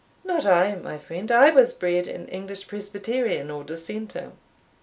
"Not I, my friend; I was bred an English presbyterian, or dissenter."